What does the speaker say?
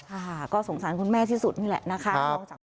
ค่ะก็สงสารคุณแม่ที่สุดนี่แหละนะคะ